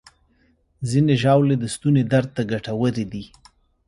ځینې ژاولې د ستوني درد ته ګټورې دي.